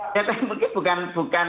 ya mungkin bukan bukan